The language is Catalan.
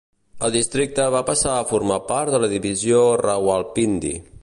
El districte va passar a formar part de la divisió Rawalpindi.